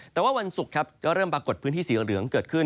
แต่ว่าวันศุกร์ครับจะเริ่มปรากฏพื้นที่สีเหลืองเกิดขึ้น